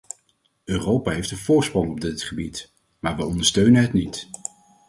Europa heeft een voorsprong op dit gebied, maar we ondersteunen het niet.